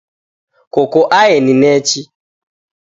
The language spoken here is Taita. Koko aeni nechi?